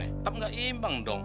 tetep gak imbang dong